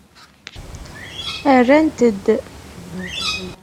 Rrant-d.